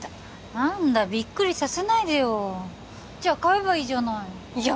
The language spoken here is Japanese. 何だビックリさせないでよじゃ買えばいいじゃないいや